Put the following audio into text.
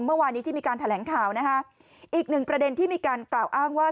เมื่อวานนี้ที่มีการแถลงข่าวนะฮะอีกหนึ่งประเด็นที่มีการกล่าวอ้างว่า